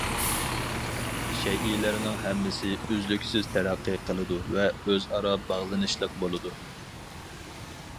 شەيئىلەرنىڭ ھەممىسى ئۈزلۈكسىز تەرەققىي قىلىدۇ ۋە ئۆز ئارا باغلىنىشلىق بولىدۇ.